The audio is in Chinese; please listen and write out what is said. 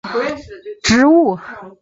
稻槎菜为菊科稻搓菜属的植物。